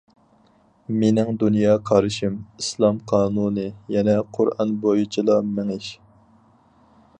مېنىڭ دۇنيا قارىشىم: ئىسلام قانۇنى، يەنى قۇرئان بويىچىلا مېڭىش.